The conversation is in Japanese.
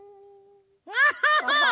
アハハ！